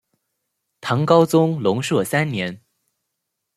唐高宗龙朔三年。